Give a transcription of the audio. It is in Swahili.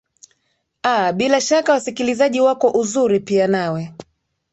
aa bila shaka wasikilizaji wako uzuri pia nawe